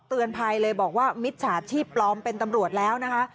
เตือนภัยเลยบอกว่ามิจฉาชีพปลอมเป็นตำรวจแล้วนะคะ